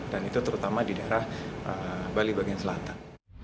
dan itu terutama di daerah bali bagian selatan